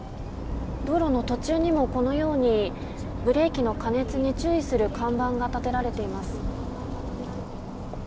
道路の途中にも、このようにブレーキの過熱に注意する看板が立てられています。